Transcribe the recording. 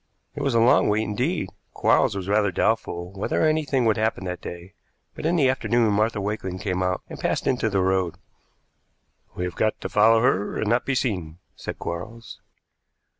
It was a long wait indeed, Quarles was rather doubtful whether anything would happen that day but in the afternoon Martha Wakeling came out and passed into the road. "We have got to follow her and not be seen," said Quarles.